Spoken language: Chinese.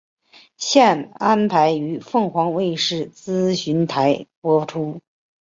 现安排于凤凰卫视资讯台播出。